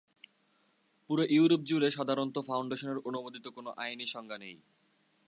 পুরো ইউরোপ জুড়ে সাধারণত ফাউন্ডেশনের অনুমোদিত কোনো আইনি সংজ্ঞা নেই।